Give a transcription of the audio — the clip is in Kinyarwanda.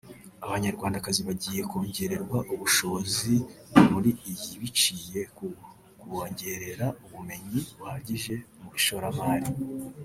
Abanyarwandakazi bagiye kongererwa ubushobozi muri iyi biciye ku kubongerera ubumenyi buhagije mu ishoramari